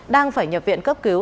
đang phải nhập viện cấp cứu